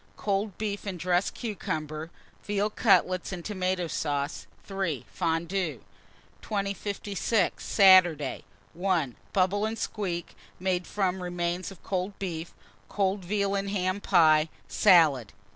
Cold beef and dressed cucumber, veal cutlets and tomato sauce. 3. Fondue. 2056. Saturday. 1. Bubble and squeak, made from remains of cold beef; cold veal and ham pie, salad.